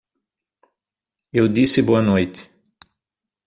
Eu disse boa noite.